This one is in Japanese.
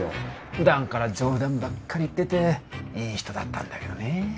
普段から冗談ばっかり言ってていい人だったんだけどねえ